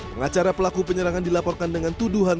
pengacara pelaku penyerangan dilaporkan dengan tuduhan